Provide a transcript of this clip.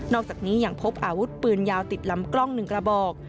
อกจากนี้ยังพบอาวุธปืนยาวติดลำกล้อง๑กระบอก